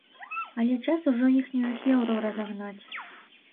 Але час ужо іхнюю хеўру разагнаць.